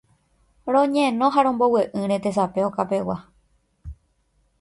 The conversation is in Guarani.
Roñeno ha rombogue'ỹre tesape okapegua